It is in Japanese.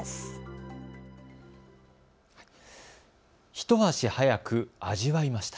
一足早く味わいました。